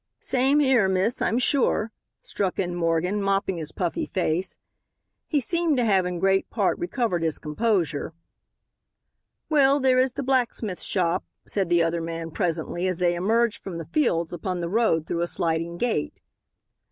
"Same 'ere, miss, hi'm sure," struck in Morgan, mopping his puffy face. He seemed to have, in great part, recovered his composure. "Well, there is the blacksmith shop," said the other man presently, as they emerged from the fields upon the road through a sliding gate.